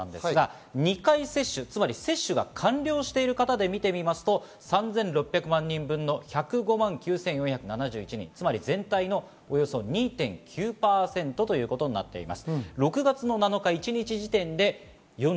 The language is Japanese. ２回接種、つまり完了した方は３６００万人分の１０５万９４７１人、つまり全体のおよそ２．９％ということになっています。